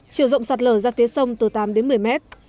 chiều rộng sạt lở ra phía sông từ tám đến một mươi mét